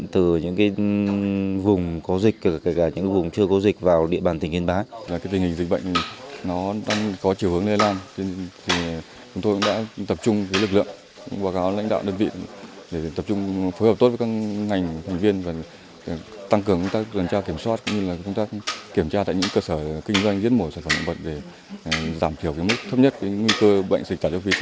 từ những vùng có dịch kể cả những vùng chưa có dịch vào địa bàn tỉnh yên bái